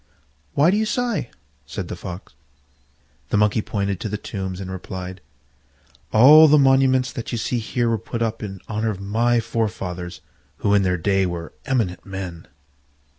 "Why do you sigh?" said the Fox. The Monkey pointed to the tombs and replied, "All the monuments that you see here were put up in honour of my forefathers, who in their day were eminent men."